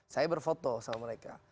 saya berfoto sama mereka